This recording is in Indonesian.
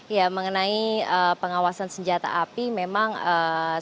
ya mengenai pengawasan senjata api memang sengaja